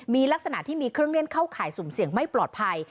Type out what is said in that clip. มีลักษณะที่มีเครื่องเล่นเข้าข่ายสุ่มเสี่ยงไม่ปลอดภัย